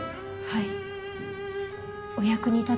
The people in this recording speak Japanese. はい。